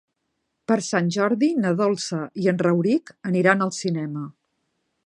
Per Sant Jordi na Dolça i en Rauric aniran al cinema.